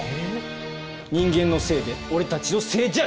人間のせいで俺たちのせいじゃない！